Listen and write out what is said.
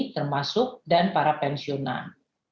termasuk dan para pensiunan